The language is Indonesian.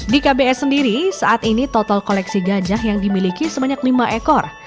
di kbs sendiri saat ini total koleksi gajah yang dimiliki sebanyak lima ekor